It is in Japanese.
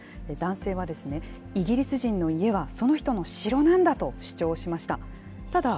男性はイギリス人の家はその人の城なんだと主張しました。